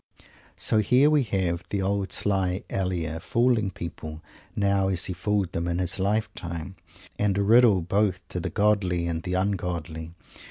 So here we have the old sly Elia, fooling people now as he fooled them in his lifetime, and a riddle both to the godly and the ungodly.